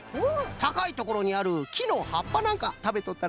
たかいところにあるきのはっぱなんかたべとったらしいぞ。